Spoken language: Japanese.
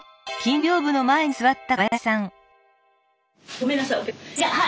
ごめんなさい。